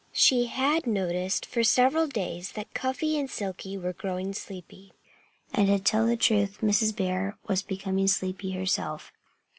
She had noticed for several days that Cuffy and Silkie were growing sleepy. And to tell the truth, Mrs. Bear was becoming sleepy herself.